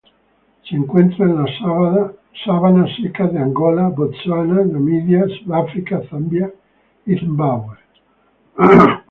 Se encuentra en las sabanas secas de Angola, Botsuana, Namibia, Sudáfrica, Zambia y Zimbabue.